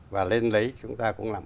và lên đấy chúng ta cũng làm